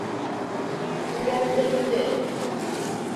Үләмдер инде...